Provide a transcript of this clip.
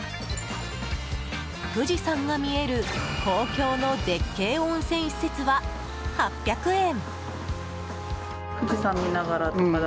富士山が見える公共の絶景温泉施設は８００円。